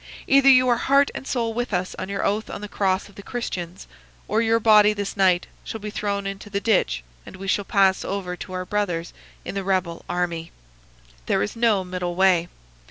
Either you are heart and soul with us on your oath on the cross of the Christians, or your body this night shall be thrown into the ditch and we shall pass over to our brothers in the rebel army. There is no middle way.